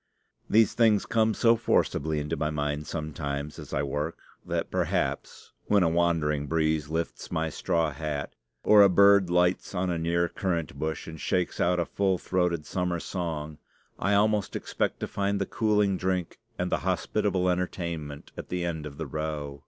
These things come so forcibly into my mind sometimes as I work, that perhaps, when a wandering breeze lifts my straw hat or a bird lights on a near currant bush and shakes out a full throated summer song, I almost expect to find the cooling drink and the hospitable entertainment at the end of the row.